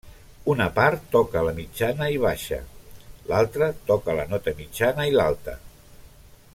Una part toca la mitjana i baixa, l'altra toca la nota mitjana i l'alta.